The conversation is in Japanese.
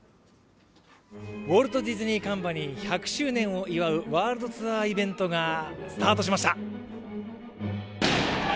ウォルト・ディズニー・カンパニー１００周年を祝うワールドツアーイベントがスタートしました。